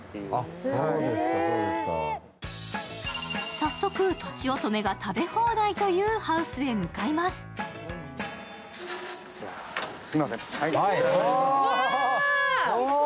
早速、とちおとめが食べ放題というハウスへ向かいます。